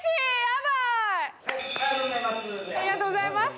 ありがとうございます。